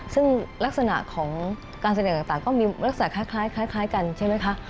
ซึ่งลักษณะของการแสดงต่างก็มีลักษณะคล้ายกันใช่ไหมคะ